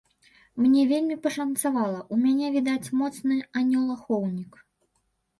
Мне вельмі пашанцавала, у мяне, відаць, моцны анёл-ахоўнік.